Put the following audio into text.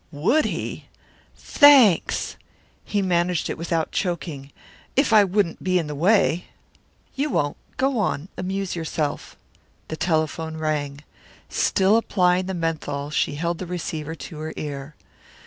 Would he! "Thanks!" He managed it without choking, "If I wouldn't be in the way." "You won't. Go on amuse yourself." The telephone rang. Still applying the menthol she held the receiver to her ear.